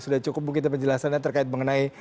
sudah cukup begitu penjelasannya terkait mengenai